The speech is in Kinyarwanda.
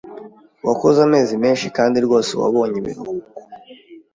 Wakoze amezi menshi kandi rwose wabonye ibiruhuko.